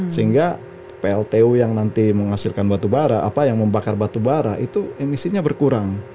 sehingga pltu yang nanti menghasilkan batu bara apa yang membakar batu bara itu emisinya berkurang